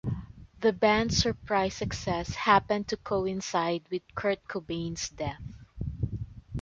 The band's surprise success happened to coincide with Kurt Cobain's death.